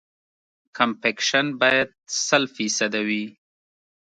کمپکشن باید سل فیصده وي